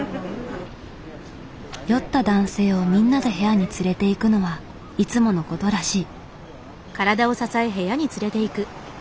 酔った男性をみんなで部屋に連れて行くのはいつものことらしい。